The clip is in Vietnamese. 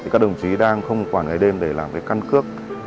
các đồng chí đang không quản ngày đêm để làm cái căn cước